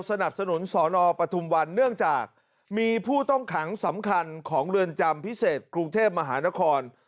สนับสนุนสนปฐุมวันเนื่องจากมีผู้ต้องขังสำคัญของเรือนจำพิเศษกรุงเทพมหานคร